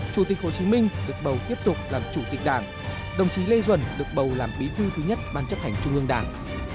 chủ tịch hồ chí minh được bầu tiếp tục làm chủ tịch đảng đồng chí lê duẩn được bầu làm bí thư thứ nhất ban chấp hành trung ương đảng